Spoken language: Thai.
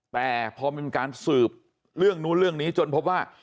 แต่พอมีการสืบเรื่องนู้นเรื่องนี้จนพบว่า